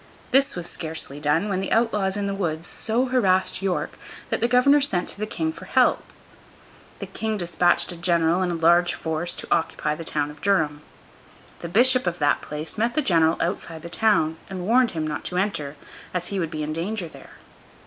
This was scarcely done, when the outlaws in the woods so harassed York, that the Governor sent to the King for help. The King despatched a general and a large force to occupy the town of Durham. The Bishop of that place met the general outside the town, and warned him not to enter, as he would be in danger there.